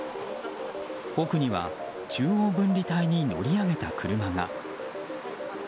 奥には、中央分離帯に乗り上げた車が。